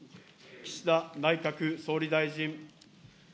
岸田内閣総理大臣。